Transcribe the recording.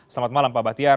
selamat malam pak bahtiar